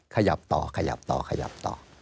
ขยับต่อขยับต่อขยับต่อ